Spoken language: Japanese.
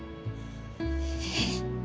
えっ？